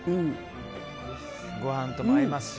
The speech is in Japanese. ご飯とも合いますし。